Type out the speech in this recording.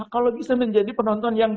kalau bisa menjadi penonton yang